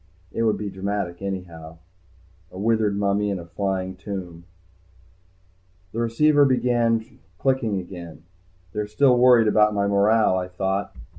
It would be dramatic anyhow. A withered mummy in a flying tomb. The receiver began clicking again. They're still worried about my morale, I thought.